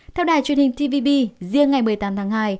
theo đài truyền hình tpbb riêng ngày một mươi tám tháng hai